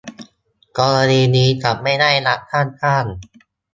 กรณีนี้จะไม่ได้รับค่าจ้าง